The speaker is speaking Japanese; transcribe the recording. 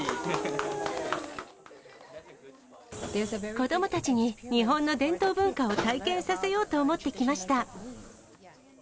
子どもたちに、日本の伝統文化を体験させようと思ってきました。